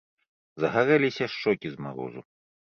Загарэліся шчокі з марозу.